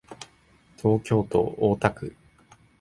東京都大田区